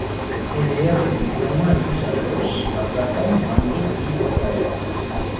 En ellas se cultivan maíz, arroz, batata, mango y papaya.